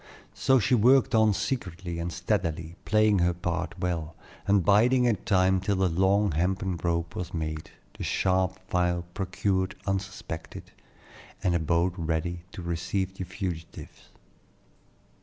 So she worked on secretly and steadily, playing her part well, and biding her time till the long hempen rope was made, the sharp file procured unsuspected, and a boat ready to receive the fugitives.